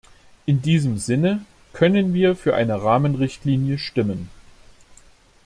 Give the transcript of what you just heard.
In diesem Sinne können wir für eine Rahmenrichtlinie stimmen.